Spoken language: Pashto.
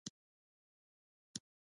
د بدخشان په تیشکان کې د سرو زرو نښې شته.